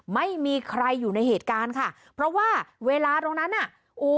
ไม่มีใครอยู่ในเหตุการณ์ค่ะเพราะว่าเวลาตรงนั้นน่ะโอ้